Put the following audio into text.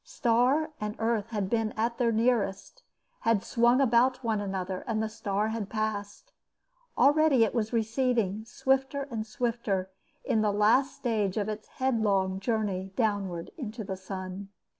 Star and earth had been at their nearest, had swung about one another, and the star had passed. Already it was receding, swifter and swifter, in the last stage of its headlong journey downward into the sun.